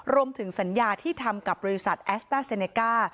รวมถึงสัญญาที่ทำกับบริษัทแอสต้าเซเนก้า